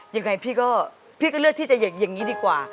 ยังไงพี่ก็เลือกที่จะอยากอย่างนี้ดีกว่า